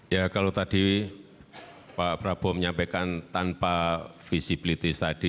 ya kalau tadi pak prabowo menyampaikan tanpa visibility study